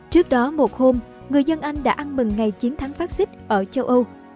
trước đó một hôm người dân anh đã ăn mừng ngày chiến thắng phát xích ở châu âu